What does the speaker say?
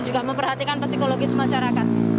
juga memperhatikan psikologis masyarakat